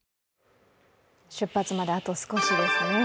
出発まであと少しですね。